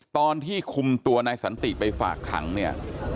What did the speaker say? ตอนที่คุมตัวนายสันติไปฝากขังเนี่ย